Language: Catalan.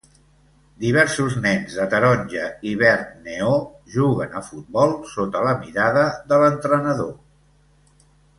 diversos nens de taronja i verd neó juguen a futbol sota la mirada de l'entrenador.